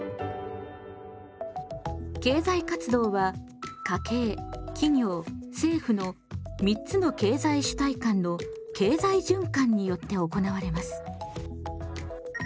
経済活動は家計・企業・政府の３つの経済主体間の経済循環によって行われます。